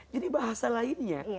jadi bahasa lainnya